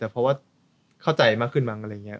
แต่เพราะว่าเข้าใจมากขึ้นมั้งอะไรอย่างนี้